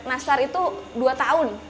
nastar itu dua tahun